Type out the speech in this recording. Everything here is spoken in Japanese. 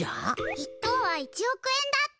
１等は１おく円だって。